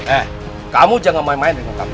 eh kamu jangan main main dengan kamu